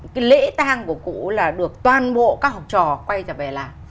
cái lễ tang của cụ là được toàn bộ các học trò quay trở về làm